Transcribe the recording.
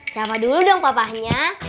siapa dulu dong papahnya